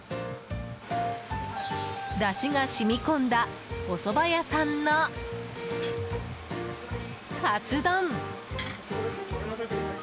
だしが染み込んだおそば屋さんのかつ丼。